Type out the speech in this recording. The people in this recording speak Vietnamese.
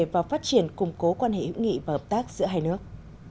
và phát triển củng cố quan hệ hữu nghị và hợp tác giữa hai nước